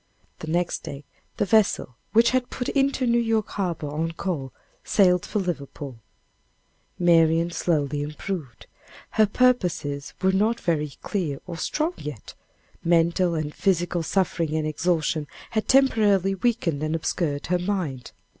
The next day the vessel which had put into New York Harbor on call, sailed for Liverpool. Marian slowly improved. Her purposes were not very clear or strong yet mental and physical suffering and exhaustion had temporarily weakened and obscured her mind.